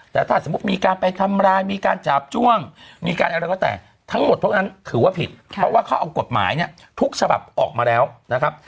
แต่ถ้าสมมุติมีการไปทำร้ายมีการจาบจ้วงมีการอะไรก็แต่ทั้งหมดเท่านั้นถือว่าผิดเพราะว่าเขาเอากฎหมายเนี่ยทุกฉบับออกมาแล้วนะครับ